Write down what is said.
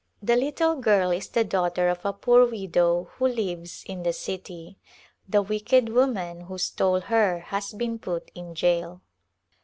The little girl is the daughter of a poor widow who lives in the city. The wicked woman who stole her has been put in jail.